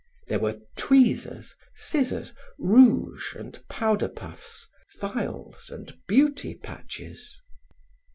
There were tweezers, scissors, rouge and powder puffs, files and beauty patches.